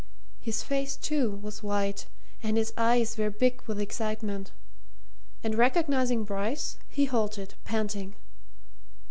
His face, too, was white, and his eyes were big with excitement. And recognizing Bryce, he halted, panting.